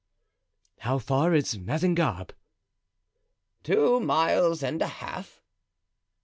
"How far is Mazingarbe?" "Two miles and a half."